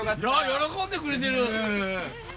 喜んでくれてる！